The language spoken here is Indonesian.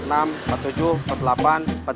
emak sepatunya nomor berapa